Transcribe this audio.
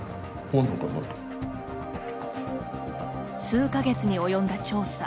数か月に及んだ調査。